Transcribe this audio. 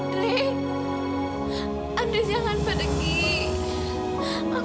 dre andri jangan berdengking